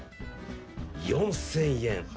４，０００円。